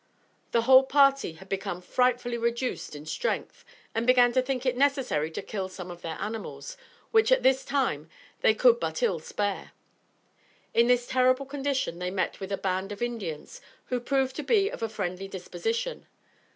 The whole party had become frightfully reduced in strength, and began to think it necessary to kill some of their animals, which at this time they could but ill spare. In this terrible condition they met with a band of Indians who proved to be of a friendly disposition.